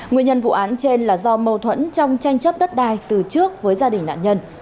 nguyên nhân vụ án trên là do mâu thuẫn trong tranh chấp đất đai từ trước với gia đình nạn nhân